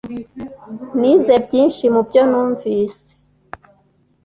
Nize byinshi mubyo numvise